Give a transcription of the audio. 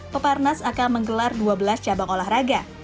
peparnas akan menggelar dua belas cabang olahraga